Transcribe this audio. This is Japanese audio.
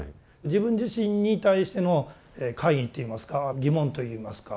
自分自身に対しての懐疑っていいますか疑問といいますか。